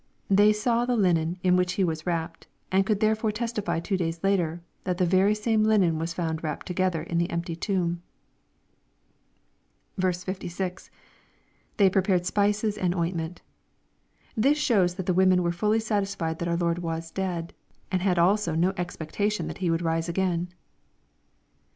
They saw the hnen in which He was wrapped, and could therefore testify two days ailer, that the very same linen was found wrapped together in the empty tomb. 56. — [They prepared spices and ointment.'] This shows that the wo men were fully satisfied that our Lord was dead, and had also no expectation that He would rise again.